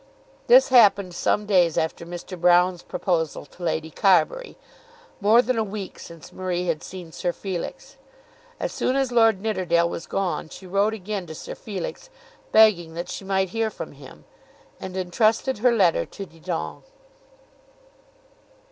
This happened some days after Mr. Broune's proposal to Lady Carbury, more than a week since Marie had seen Sir Felix. As soon as Lord Nidderdale was gone she wrote again to Sir Felix begging that she might hear from him, and entrusted her letter to Didon.